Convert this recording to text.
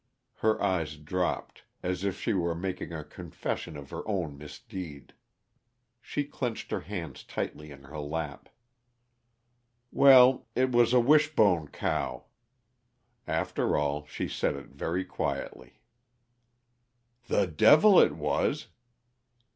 Her eyes dropped, as if she were making a confession of her own misdeed. She clenched her hands tightly in her lap. "Well it was a Wishbone cow." After all, she said it very quietly. "The devil it was!"